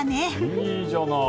いいじゃない！